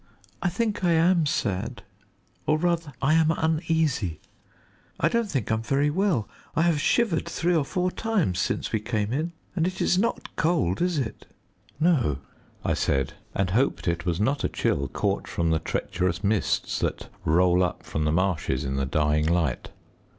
I think I am sad, or rather I am uneasy. I don't think I'm very well. I have shivered three or four times since we came in, and it is not cold, is it?" "No," I said, and hoped it was not a chill caught from the treacherous mists that roll up from the marshes in the dying light.